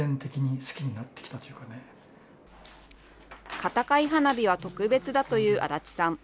片貝花火は特別だという安達さん。